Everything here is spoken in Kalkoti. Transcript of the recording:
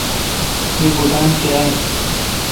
می بوٹان کاں این۔